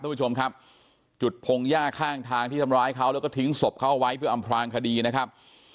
ผู้ชมครับจุดพงหญ้าข้างทางที่ทำร้ายเขาแล้วก็ทิ้งศพเขาเอาไว้เพื่ออำพลางคดีนะครับ